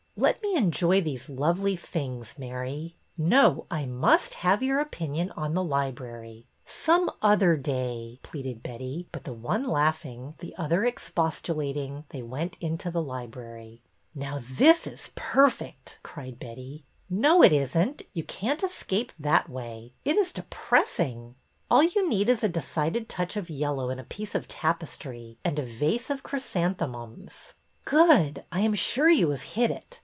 Let me enjoy these lovely things, Mary." No, I must have your opinion on the library." '' Some other day," pleaded Betty ; but the one laughing, the other expostulating, they went into the library. '' Now, this is perfect !" cried Betty. '' No, it is n't. You can't escape that way. It is depressing." '' All you need is a decided touch of yellow in a piece of tapestry and a vase of chrysanthemums." Good! I am sure you have hit it.